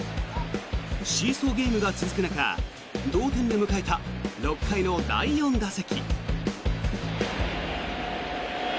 シーソーゲームが続く中同点で迎えた６回の第４打席。